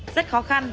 rất khó khăn